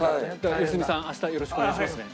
良純さん明日よろしくお願いしますね。